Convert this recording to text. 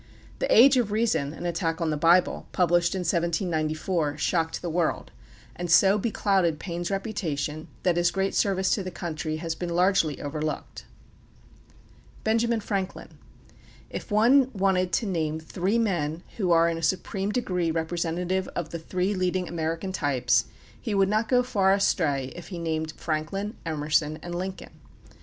The "Age of Reason," an attack on the Bible, published in 1794, shocked the world, and so beclouded Paine's reputation that his great service to the country has been largely overlooked. [Illustration: CHARLES BROCKDEN BROWN By Wm. Dunlap 1806] BENJAMIN FRANKLIN If one wanted to name three men who are in a supreme degree representative of three leading American types, he would not go far astray if he named Franklin, Emerson, and Lincoln.